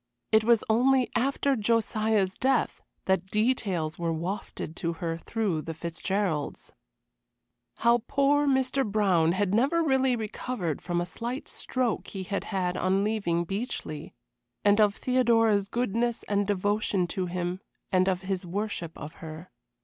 It was only after Josiah's death that details were wafted to her through the Fitzgeralds. How poor Mr. Brown had never really recovered from a slight stroke he had had on leaving Beechleigh, and of Theodora's goodness and devotion to him, and of his worship of her.